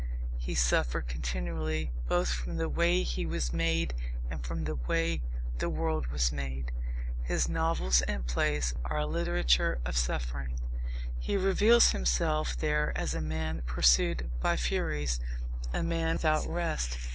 He suffered continually both from the way he was made and from the way the world was made. His novels and plays are a literature of suffering. He reveals himself there as a man pursued by furies, a man without rest.